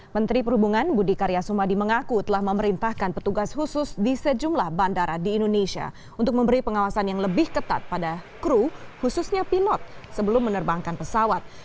menteri perhubungan budi karya sumadi mengaku telah memerintahkan petugas khusus di sejumlah bandara di indonesia untuk memberi pengawasan yang lebih ketat pada kru khususnya pilot sebelum menerbangkan pesawat